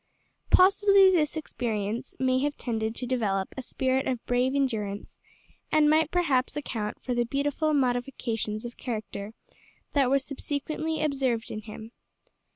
Possibly this experience may have tended to develop a spirit of brave endurance, and might perhaps account for the beautiful modifications of character that were subsequently observed in him.